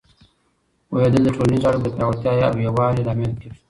پوهېدل د ټولنیزو اړیکو د پیاوړتیا او یووالي لامل کېږي.